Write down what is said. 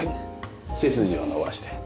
背筋を伸ばして。